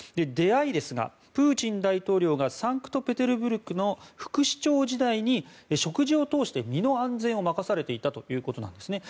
出会いですが、プーチン大統領がサンクトペテルブルクの副市長時代に、食事を通して身の安全を任されていたということなんです。